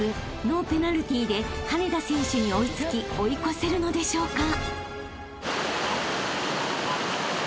ノーペナルティーで羽根田選手に追い付き追い越せるのでしょうか？］